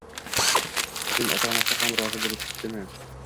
Qizning ota-onasi ham rozi bo`libdimi